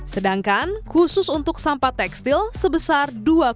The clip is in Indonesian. sedangkan khusus untuk sampah tekstil sebesar